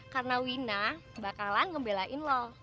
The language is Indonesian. karena wina bakalan ngebelain lo